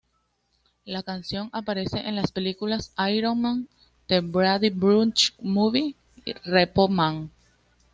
La canción aparece en las películas: "Iron Man", "The Brady Bunch Movie", "Repo Man".